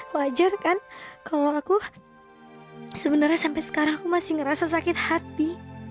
wajar kan kalau aku sebenarnya sampai sekarang aku masih ngerasa sakit hati